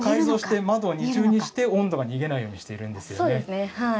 窓を二重にして温度が逃げないようにしているんですよね。